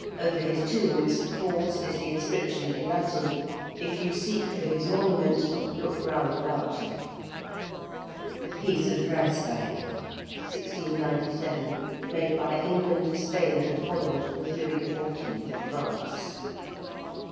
Over his tomb in St. Paul's is the inscription in Latin: 'If you seek for his monument, look round about you.' ~The Peace of Ryswick~, 1697, made by England, Spain, and Holland with Louis XIV. of France.